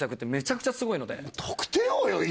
得点王よ今。